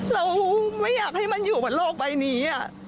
เราไม่อยากให้มันอยู่กับโลกใบนี้